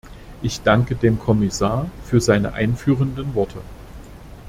Ich danke dem Kommissar für seine einführenden Worte.